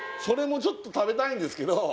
それもちょっと食べたいんですけど